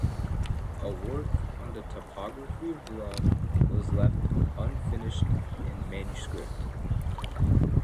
A work on the topography of Rome was left unfinished in manuscript.